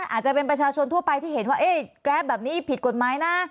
อาจจะเป็นประชาชนทั่วไปที่เห็นว่าแกรปแบบนี้ผิดกฎหมายนะ